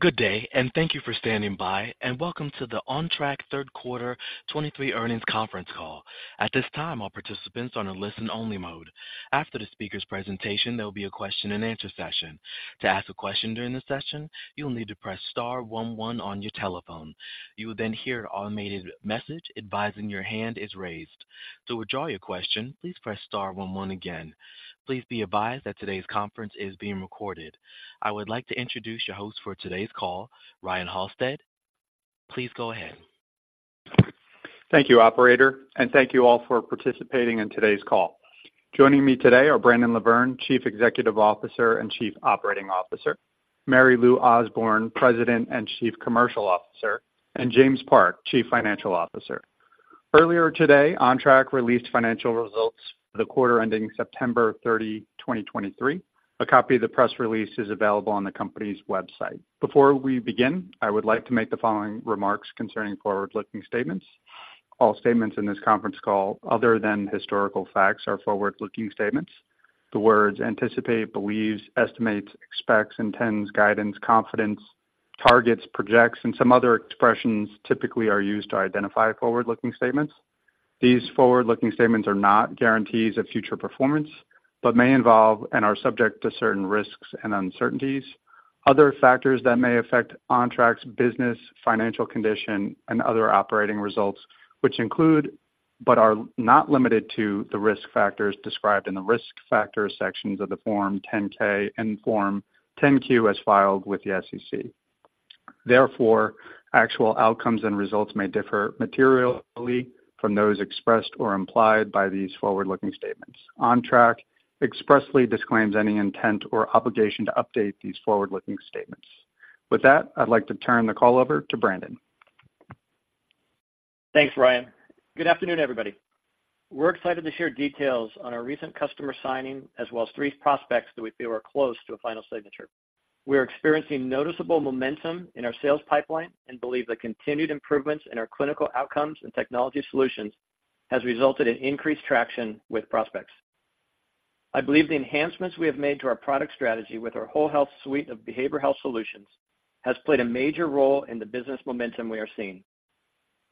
Good day, and thank you for standing by, and welcome to the Ontrak Third Quarter 2023 Earnings Conference Call. At this time, all participants are in a listen-only mode. After the speaker's presentation, there will be a question-and-answer session. To ask a question during the session, you'll need to press star one one on your telephone. You will then hear an automated message advising your hand is raised. To withdraw your question, please press star one one again. Please be advised that today's conference is being recorded. I would like to introduce your host for today's call, Ryan Halsted. Please go ahead. Thank you, operator, and thank you all for participating in today's call. Joining me today are Brandon LaVerne, Chief Executive Officer and Chief Operating Officer, Mary Lou Osborne, President and Chief Commercial Officer, and James Park, Chief Financial Officer. Earlier today, Ontrak released financial results for the quarter ending September 30, 2023. A copy of the press release is available on the company's website. Before we begin, I would like to make the following remarks concerning forward-looking statements. All statements in this conference call other than historical facts, are forward-looking statements. The words anticipate, believes, estimates, expects, intends, guidance, confidence, targets, projects, and some other expressions typically are used to identify forward-looking statements. These forward-looking statements are not guarantees of future performance, but may involve and are subject to certain risks and uncertainties. Other factors that may affect Ontrak's business, financial condition, and other operating results, which include, but are not limited to, the risk factors described in the Risk Factors sections of the Form 10-K and Form 10-Q as filed with the SEC. Therefore, actual outcomes and results may differ materially from those expressed or implied by these forward-looking statements. Ontrak expressly disclaims any intent or obligation to update these forward-looking statements. With that, I'd like to turn the call over to Brandon. Thanks, Ryan. Good afternoon, everybody. We're excited to share details on our recent customer signing, as well as three prospects that we feel are close to a final signature. We are experiencing noticeable momentum in our sales pipeline and believe the continued improvements in our clinical outcomes and technology solutions has resulted in increased traction with prospects. I believe the enhancements we have made to our product strategy with our WholeHealth suite of behavioral health solutions has played a major role in the business momentum we are seeing.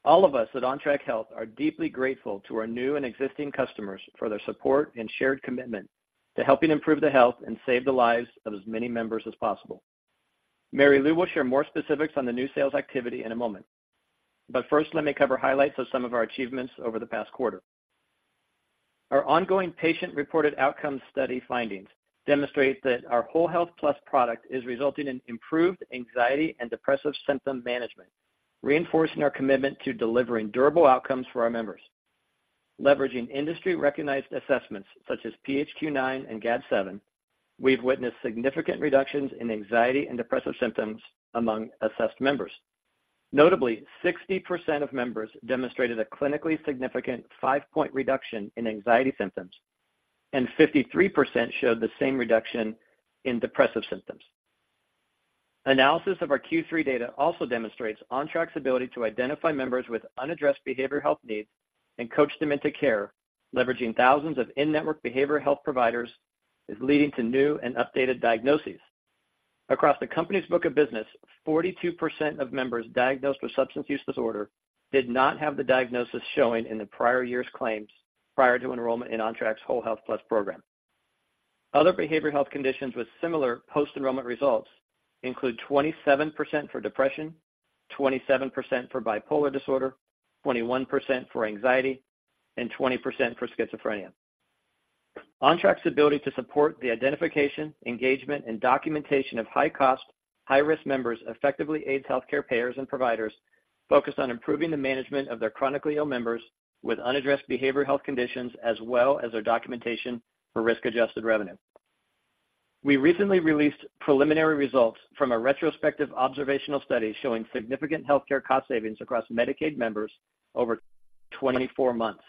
All of us at Ontrak Health are deeply grateful to our new and existing customers for their support and shared commitment to helping improve the health and save the lives of as many members as possible. Mary Lou will share more specifics on the new sales activity in a moment, but first, let me cover highlights of some of our achievements over the past quarter. Our ongoing patient-reported outcome study findings demonstrate that our WholeHealth+ product is resulting in improved anxiety and depressive symptom management, reinforcing our commitment to delivering durable outcomes for our members. Leveraging industry-recognized assessments such as PHQ-9 and GAD-7, we've witnessed significant reductions in anxiety and depressive symptoms among assessed members. Notably, 60% of members demonstrated a clinically significant five-point reduction in anxiety symptoms, and 53% showed the same reduction in depressive symptoms. Analysis of our Q3 data also demonstrates Ontrak's ability to identify members with unaddressed behavioral health needs and coach them into care. Leveraging thousands of in-network behavioral health providers is leading to new and updated diagnoses. Across the company's book of business, 42% of members diagnosed with substance use disorder did not have the diagnosis showing in the prior year's claims prior to enrollment in Ontrak's WholeHealth+ program. Other behavioral health conditions with similar post-enrollment results include 27% for depression, 27% for bipolar disorder, 21% for anxiety, and 20% for schizophrenia. Ontrak's ability to support the identification, engagement, and documentation of high-cost, high-risk members effectively aids healthcare payers and providers focused on improving the management of their chronically ill members with unaddressed behavioral health conditions, as well as their documentation for risk-adjusted revenue. We recently released preliminary results from a retrospective observational study showing significant healthcare cost savings across Medicaid members over 24 months.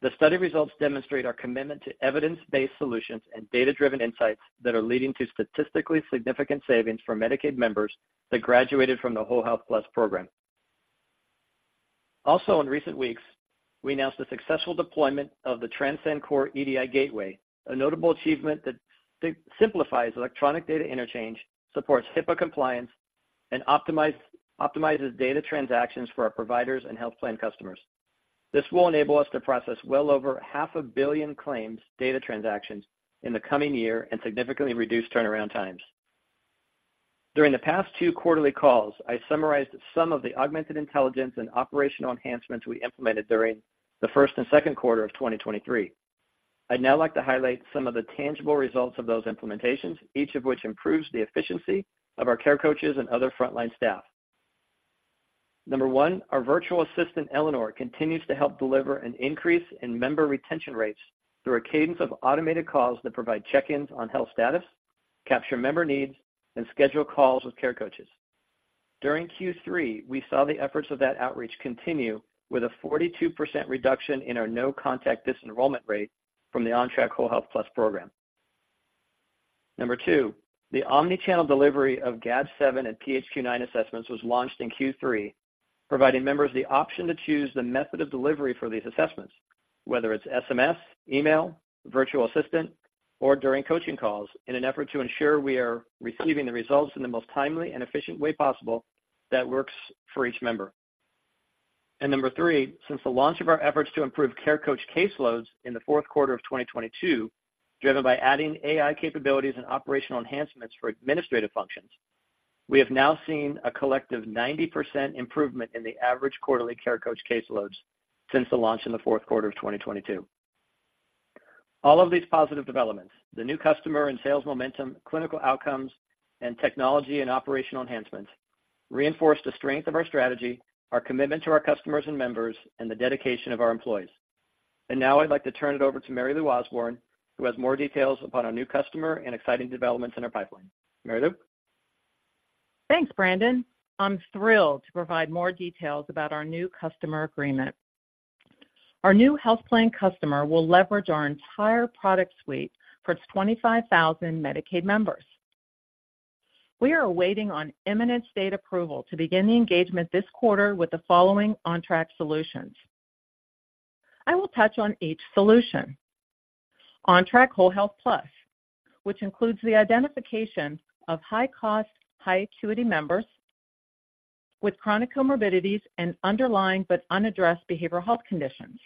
The study results demonstrate our commitment to evidence-based solutions and data-driven insights that are leading to statistically significant savings for Medicaid members that graduated from the WholeHealth+ program. Also, in recent weeks, we announced the successful deployment of the Transcend Core EDI Gateway, a notable achievement that simplifies electronic data interchange, supports HIPAA compliance, and optimizes data transactions for our providers and health plan customers. This will enable us to process well over 500 million claims data transactions in the coming year and significantly reduce turnaround times. During the past two quarterly calls, I summarized some of the augmented intelligence and operational enhancements we implemented during the first and second quarter of 2023. I'd now like to highlight some of the tangible results of those implementations, each of which improves the efficiency of our care coaches and other frontline staff. Number one, our virtual assistant, Eleanor, continues to help deliver an increase in member retention rates through a cadence of automated calls that provide check-ins on health status, capture member needs, and schedule calls with care coaches. During Q3, we saw the efforts of that outreach continue, with a 42% reduction in our no-contact disenrollment rate from the Ontrak WholeHealth+ program. Number two, the omni-channel delivery of GAD-7 and PHQ-9 assessments was launched in Q3, providing members the option to choose the method of delivery for these assessments, whether it's SMS, email, virtual assistant, or during coaching calls, in an effort to ensure we are receiving the results in the most timely and efficient way possible that works for each member. Number three, since the launch of our efforts to improve care coach caseloads in the fourth quarter of 2022, driven by adding AI capabilities and operational enhancements for administrative functions, we have now seen a collective 90% improvement in the average quarterly care coach caseloads since the launch in the fourth quarter of 2022. All of these positive developments, the new customer and sales momentum, clinical outcomes, and technology and operational enhancements, reinforce the strength of our strategy, our commitment to our customers and members, and the dedication of our employees. Now I'd like to turn it over to Mary Lou Osborne, who has more details about our new customer and exciting developments in our pipeline. Mary Lou? Thanks, Brandon. I'm thrilled to provide more details about our new customer agreement. Our new health plan customer will leverage our entire product suite for its 25,000 Medicaid members. We are waiting on imminent state approval to begin the engagement this quarter with the following Ontrak solutions. I will touch on each solution. Ontrak WholeHealth+, which includes the identification of high-cost, high-acuity members with chronic comorbidities and underlying but unaddressed behavioral health conditions.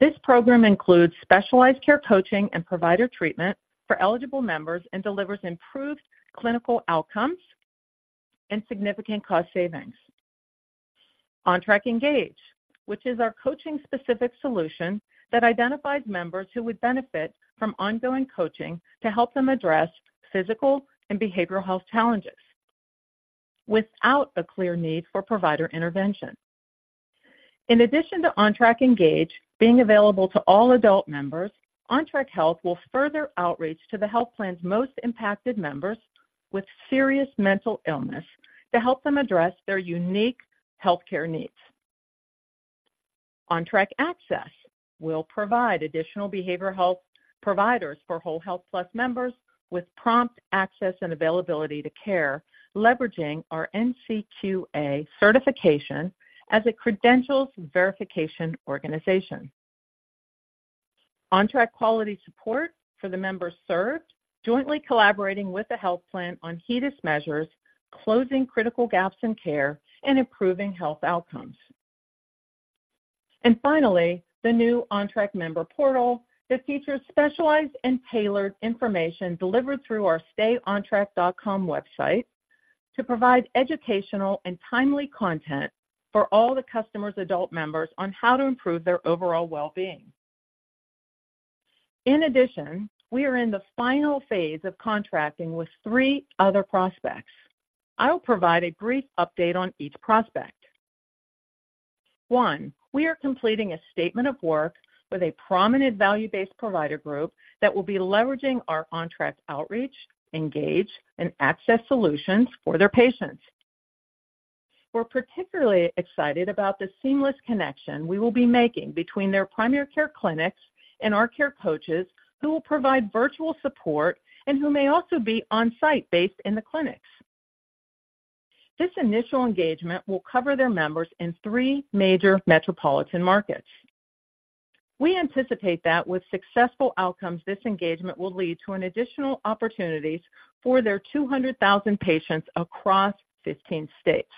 This program includes specialized care coaching and provider treatment for eligible members and delivers improved clinical outcomes and significant cost savings. Ontrak Engage, which is our coaching-specific solution that identifies members who would benefit from ongoing coaching to help them address physical and behavioral health challenges without a clear need for provider intervention. In addition to Ontrak Engage being available to all adult members, Ontrak Health will further outreach to the health plan's most impacted members with serious mental illness to help them address their unique healthcare needs. Ontrak Access will provide additional behavioral health providers for WholeHealth+ members with prompt access and availability to care, leveraging our NCQA certification as a credentials verification organization. Ontrak Quality Support for the members served, jointly collaborating with the health plan on HEDIS measures, closing critical gaps in care, and improving health outcomes. And finally, the new Ontrak member portal, that features specialized and tailored information delivered through our stayontrak.com website, to provide educational and timely content for all the customer's adult members on how to improve their overall well-being. In addition, we are in the final phase of contracting with three other prospects. I will provide a brief update on each prospect. One, we are completing a statement of work with a prominent value-based provider group that will be leveraging our Ontrak Outreach, Engage, and Access solutions for their patients. We're particularly excited about the seamless connection we will be making between their primary care clinics and our care coaches, who will provide virtual support and who may also be on-site, based in the clinics. This initial engagement will cover their members in three major metropolitan markets. We anticipate that with successful outcomes, this engagement will lead to an additional opportunities for their 200,000 patients across 15 states.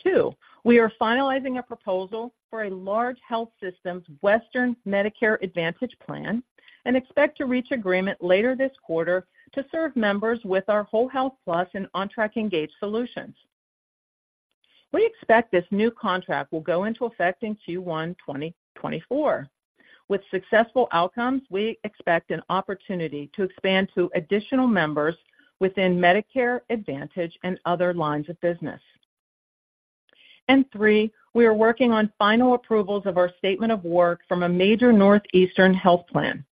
Two, we are finalizing a proposal for a large health system's Western Medicare Advantage Plan and expect to reach agreement later this quarter to serve members with our WholeHealth+ and Ontrak Engage solutions. We expect this new contract will go into effect in Q1 2024. With successful outcomes, we expect an opportunity to expand to additional members within Medicare Advantage and other lines of business. And three, we are working on final approvals of our statement of work from a major northeastern health plan.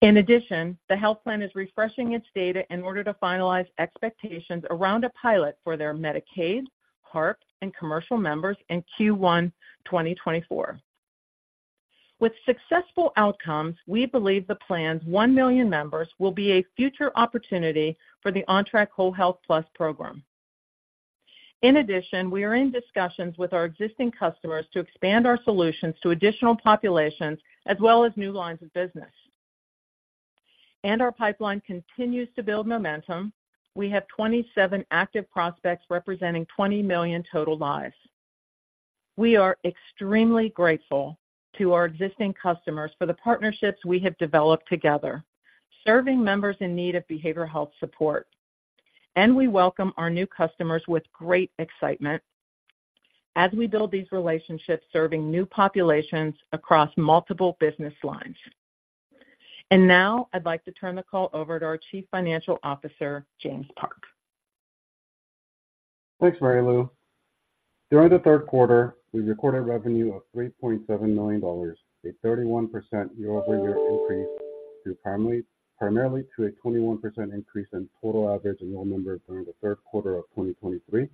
In addition, the health plan is refreshing its data in order to finalize expectations around a pilot for their Medicaid, HARP, and commercial members in Q1 2024. With successful outcomes, we believe the plan's 1 million members will be a future opportunity for the Ontrak WholeHealth+ program. In addition, we are in discussions with our existing customers to expand our solutions to additional populations as well as new lines of business. And our pipeline continues to build momentum. We have 27 active prospects representing 20 million total lives. We are extremely grateful to our existing customers for the partnerships we have developed together, serving members in need of behavioral health support, and we welcome our new customers with great excitement as we build these relationships, serving new populations across multiple business lines. Now I'd like to turn the call over to our Chief Financial Officer, James Park. Thanks, Mary Lou. During the third quarter, we recorded revenue of $3.7 million, a 31% year-over-year increase, due primarily to a 21% increase in total average enrolled members during the third quarter of 2023,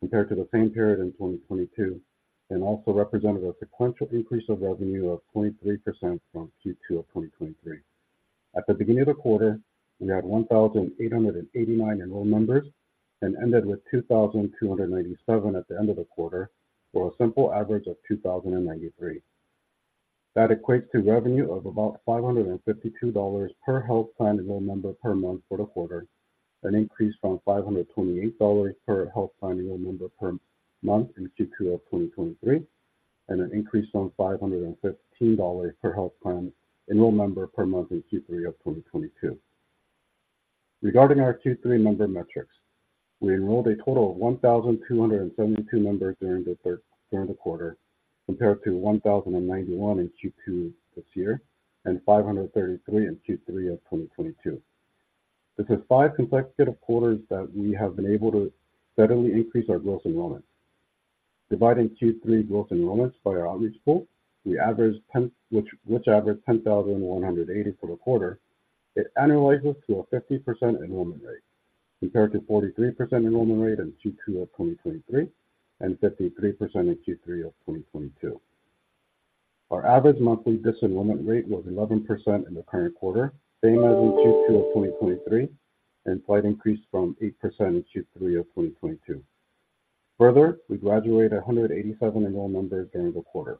compared to the same period in 2022, and also represented a sequential increase of revenue of 0.3% from Q2 of 2023. At the beginning of the quarter, we had 1,889 enrolled members and ended with 2,297 at the end of the quarter, for a simple average of 2,093. That equates to revenue of about $552 per health plan enrolled member per month for the quarter, an increase from $528 per health plan enrolled member per month in Q2 of 2023, and an increase from $515 per health plan enrolled member per month in Q3 of 2022. Regarding our Q3 member metrics, we enrolled a total of 1,272 members during the quarter, compared to 1,091 in Q2 this year and 533 in Q3 of 2022. This is five consecutive quarters that we have been able to steadily increase our gross enrollment. Dividing Q3 gross enrollments by our outreach pool, we average 10, which averages 10,180 for the quarter. It annualizes to a 50% enrollment rate, compared to 43% enrollment rate in Q2 of 2023 and 53% in Q3 of 2022. Our average monthly disenrollment rate was 11% in the current quarter, same as in Q2 of 2023, and slight increase from 8% in Q3 of 2022. Further, we graduated 187 enrolled members during the quarter.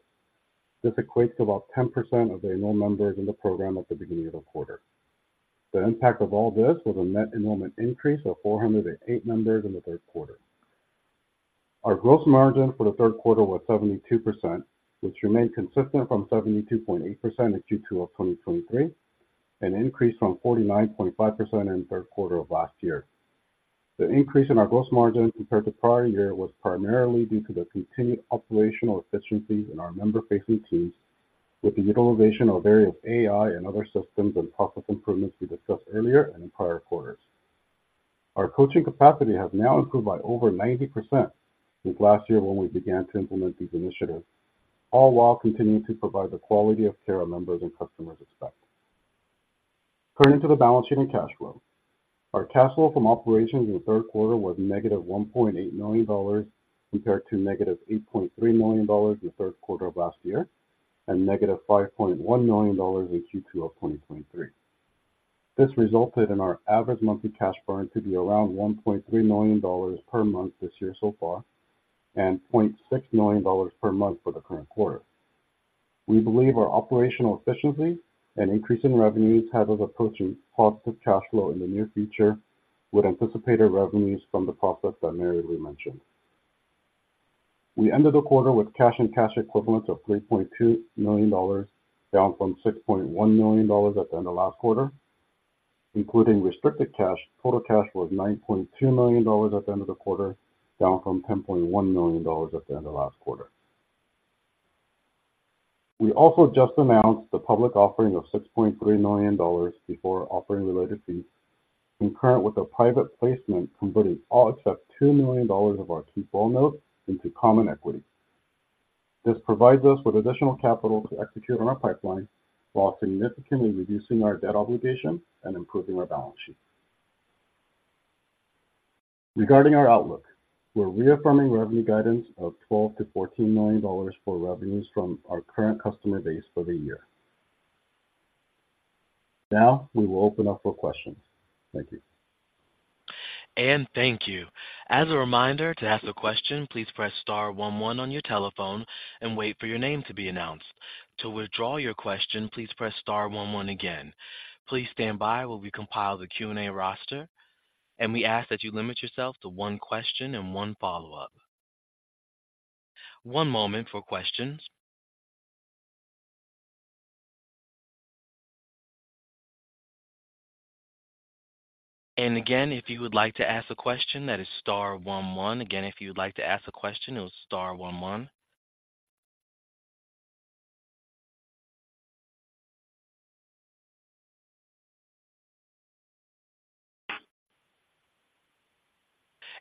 This equates to about 10% of the enrolled members in the program at the beginning of the quarter. The impact of all this was a net enrollment increase of 408 members in the third quarter. Our gross margin for the third quarter was 72%, which remained consistent from 72.8% in Q2 of 2023, an increase from 49.5% in the third quarter of last year. The increase in our gross margin compared to prior year was primarily due to the continued operational efficiencies in our member-facing teams, with the utilization of various AI and other systems and process improvements we discussed earlier in prior quarters. Our coaching capacity has now improved by over 90% since last year, when we began to implement these initiatives, all while continuing to provide the quality of care our members and customers expect. Turning to the balance sheet and cash flow. Our cash flow from operations in the third quarter was -$1.8 million, compared to -$8.3 million in the third quarter of last year, and -$5.1 million in Q2 of 2023. This resulted in our average monthly cash burn to be around $1.3 million per month this year so far, and $0.6 million per month for the current quarter. We believe our operational efficiency and increase in revenues have us approaching positive cash flow in the near future, with anticipated revenues from the process that Mary mentioned. We ended the quarter with cash and cash equivalents of $3.2 million, down from $6.1 million at the end of last quarter. Including restricted cash, total cash was $9.2 million at the end of the quarter, down from $10.1 million at the end of last quarter. We also just announced the public offering of $6.3 million before offering related fees, concurrent with a private placement, converting all except $2 million of our 2% notes into common equity. This provides us with additional capital to execute on our pipeline while significantly reducing our debt obligation and improving our balance sheet. Regarding our outlook, we're reaffirming revenue guidance of $12 million to $14 million for revenues from our current customer base for the year. Now, we will open up for questions. Thank you. And thank you. As a reminder, to ask a question, please press star one one on your telephone and wait for your name to be announced. To withdraw your question, please press star one one again. Please stand by while we compile the Q&A roster, and we ask that you limit yourself to one question and one follow-up. One moment for questions. And again, if you would like to ask a question, that is star one one. Again, if you'd like to ask a question, it was star one one.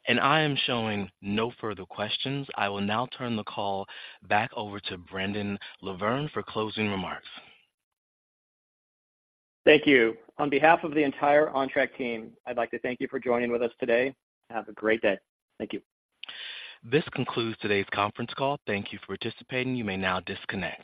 And I am showing no further questions. I will now turn the call back over to Brandon LaVerne for closing remarks. Thank you. On behalf of the entire Ontrak team, I'd like to thank you for joining with us today. Have a great day. Thank you. This concludes today's conference call. Thank you for participating. You may now disconnect.